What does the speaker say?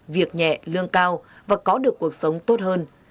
việc nhẹ lương cao và có được cuộc sống tốt hơn